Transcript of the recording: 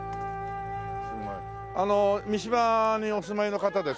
あの三島にお住まいの方ですか？